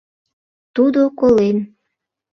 Тудо колен!